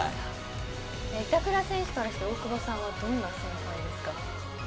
板倉選手からすると大久保さんはどんな先輩ですか？